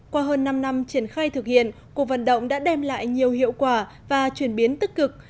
qua hơn năm năm triển khai thực hiện cuộc vận động đã đem lại nhiều hiệu quả và chuyển biến tích cực